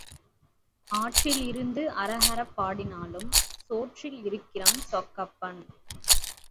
ஆற்றில் இருந்து அரஹராப் பாடினாலும் சோற்றில் இருக்கிறான் சொக்கப்பன்.